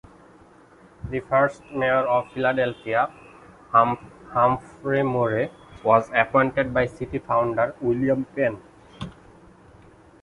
The first mayor of Philadelphia, Humphrey Morrey, was appointed by city founder William Penn.